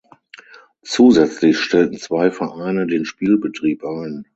Zusätzlich stellten zwei Vereine den Spielbetrieb ein.